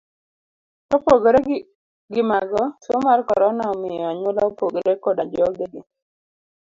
Kopogore gi mago, tuo mar korona omiyo anyuola opogore koda jogegi.